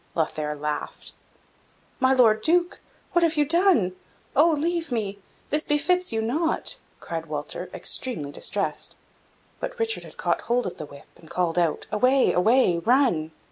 Lothaire laughed. "My Lord Duke! What have you done? Oh, leave me this befits you not!" cried Walter, extremely distressed; but Richard had caught hold of the whip, and called out, "Away, away! run!